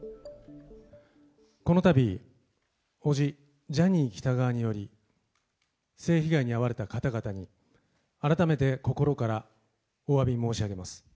このたび、叔父、ジャニー喜多川により、性被害に遭われた方々に、改めて心からおわび申し上げます。